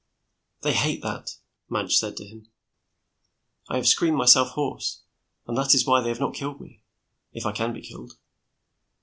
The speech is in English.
"They hate that," Madge said to him. "I have screamed myself hoarse and that is why they have not killed me if I can be killed."